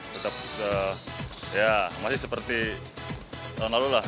tetap ya masih seperti tahun lalu lah